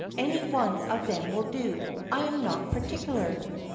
Any one of them will do. I am not particular."